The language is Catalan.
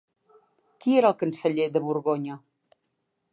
Qui era el canceller de Borgonya?